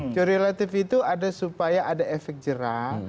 teori relatif itu ada supaya ada efek jerah